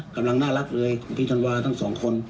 กำลังน่ารักเลยพี่ธันวาทั้งสองคน